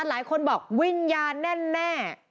หลายคนบอกวิญญาณแน่